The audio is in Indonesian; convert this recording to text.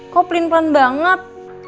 kok pelin pelan banget